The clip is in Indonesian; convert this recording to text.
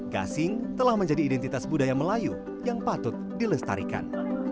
gasing telah menjadi identitas budaya melayu yang patut dilestarikan